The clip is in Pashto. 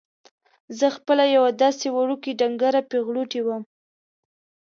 زه خپله یوه داسې وړوکې ډنګره پېغلوټې وم.